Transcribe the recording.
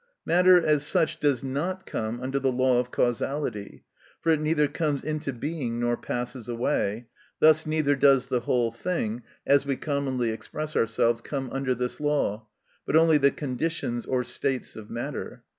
Matter, as such, does not come under the law of causality, for it neither comes into being nor passes away; thus neither does the whole thing, as we commonly express ourselves, come under this law, but only the conditions or states of matter.